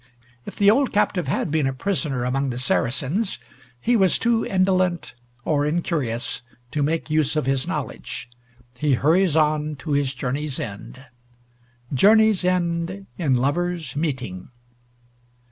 If the old captive had been a prisoner among the Saracens, he was too indolent or incurious to make use of his knowledge. He hurries on to his journey's end; "Journeys end in lovers meeting."